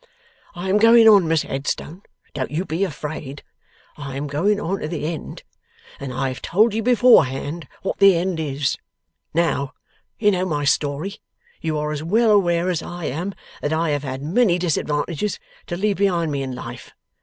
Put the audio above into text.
'I am going on, Mr Headstone, don't you be afraid. I am going on to the end, and I have told you beforehand what the end is. Now, you know my story. You are as well aware as I am, that I have had many disadvantages to leave behind me in life.